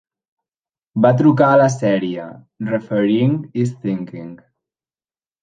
Va trucar a la sèrie, Refereeing is thinking.